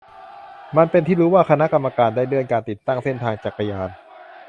มันเป็นที่รู้ว่าคณะกรรมการได้เลื่อนการติดตั้งเส้นทางจักรยาน